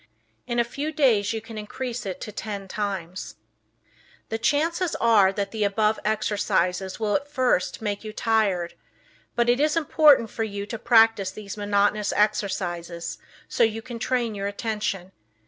In a few days you can increase it to ten times. The chances are that the above exercises will at first make you "tired," but it is important for you to practice these monotonous exercises so you can train your attention.